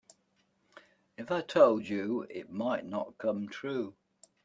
If I told you it might not come true.